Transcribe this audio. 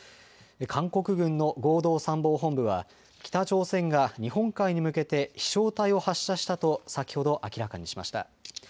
韓国軍の合同参謀本部は北朝鮮が日本海に向けて飛しょう体を発射したと先ほど明らかにしました。